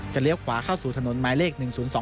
เลี้ยวขวาเข้าสู่ถนนหมายเลข๑๐๒